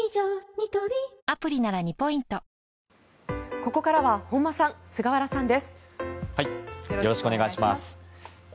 ここからは本間さん菅原さんです。